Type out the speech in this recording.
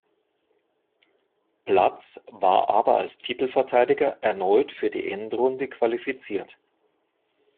Platz, war aber als Titelverteidiger erneut für die Endrunde qualifiziert.